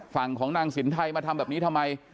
ฝั่งของนางสินไทยมาทำแบบนี้ทำไม